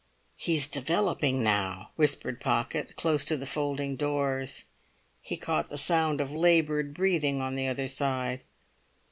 "He's developing now!" whispered Pocket, close to the folding doors. He caught the sound of laboured breathing on the other side.